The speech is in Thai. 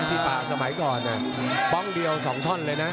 ป่าสมัยก่อนป้องเดียว๒ท่อนเลยนะ